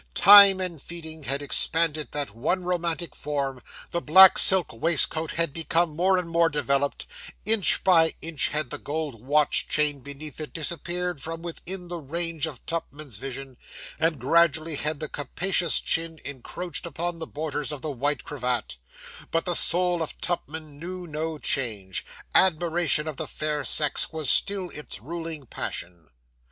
Time and feeding had expanded that once romantic form; the black silk waistcoat had become more and more developed; inch by inch had the gold watch chain beneath it disappeared from within the range of Tupman's vision; and gradually had the capacious chin encroached upon the borders of the white cravat: but the soul of Tupman had known no change admiration of the fair sex was still its ruling passion.